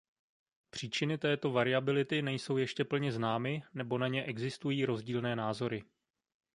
Příčiny této variability nejsou ještě plně známy nebo na ně existují rozdílné názory.